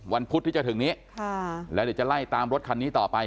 พุธที่จะถึงนี้แล้วเดี๋ยวจะไล่ตามรถคันนี้ต่อไป